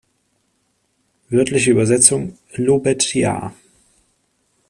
Wörtliche Übersetzung: "Lobet Jah!